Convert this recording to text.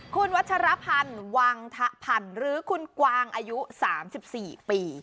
คุณวัชรพันธ์วังทะพันธ์หรือคุณกวางอายุ๓๔ปี